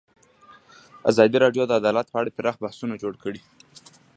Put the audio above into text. ازادي راډیو د عدالت په اړه پراخ بحثونه جوړ کړي.